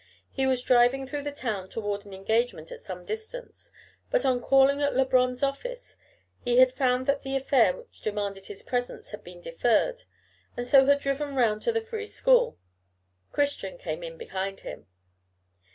He was driving through the town toward an engagement at some distance, but on calling at Labron's office he had found that the affair which demanded his presence had been deferred, and so had driven round to the Free School. Christian came in behind him.